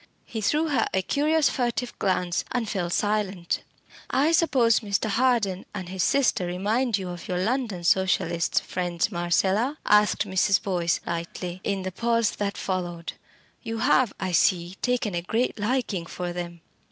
He threw her a curious furtive glance, and fell silent. "I suppose Mr. Harden and his sister remind you of your London Socialist friends, Marcella?" asked Mrs. Boyce lightly, in the pause that followed. "You have, I see, taken a great liking for them."